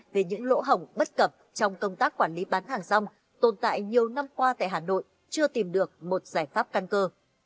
về những lỗ hỏng bất cập trong công tác quản lý bán hàng rong tồn tại nhiều năm qua tại hà nội chưa tìm được một giải pháp căn cơ